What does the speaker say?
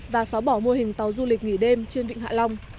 và xóa bỏ mô hình tàu du lịch nghỉ đêm trên vịnh hạ long